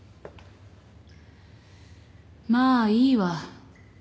まあいいわ。